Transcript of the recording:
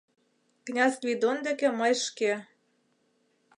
Князь Гвидон деке мый шке